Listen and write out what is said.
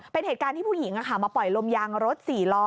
เป็นเหตุการณ์ที่ผู้หญิงมาปล่อยลมยางรถ๔ล้อ